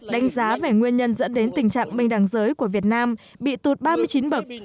đánh giá về nguyên nhân dẫn đến tình trạng bình đẳng giới của việt nam bị tụt ba mươi chín bậc